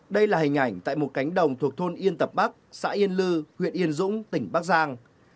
đây là hình ảnh tại một cánh đồng thuộc thôn yên tập bắc xã yên lư huyện yên dũng tỉnh bắc giang